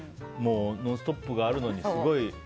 「ノンストップ！」があるのにすごい。